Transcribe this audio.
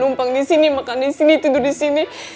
dan umpang disini makan disini tidur disini